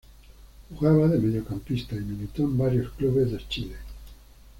Jugaba de mediocampista y militó en varios clubes de Chile.